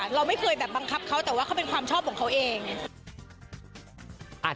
เราไม่เคยแบบบังคับเขาแต่ว่าเขาเป็นความชอบของเขาเอง